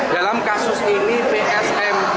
dalam kasus ini psmp